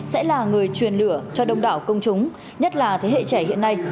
sẽ là người truyền lửa cho đông đảo công chúng nhất là thế hệ trẻ hiện nay